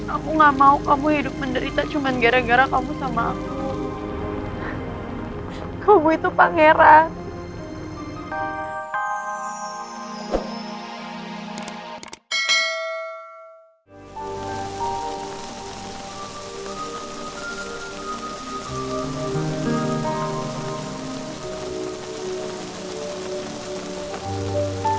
aku gak mau kamu hidup menderita cuma gara gara kamu sama aku